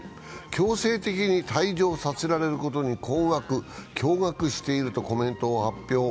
強制的に退場させられることに困惑、驚がくしているとコメントを発表。